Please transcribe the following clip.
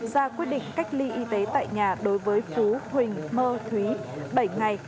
ra quyết định cách ly y tế tại nhà đối với phú huỳnh mơ thúy bảy ngày